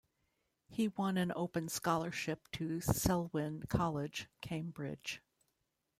He won an Open Scholarship to Selwyn College, Cambridge.